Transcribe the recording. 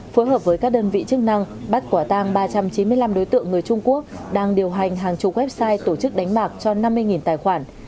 phối hợp với các đơn vị chức năng bắt quả tang ba trăm chín mươi năm đối tượng người trung quốc đang điều hành hàng chục website tổ chức đánh bạc cho năm mươi tài khoản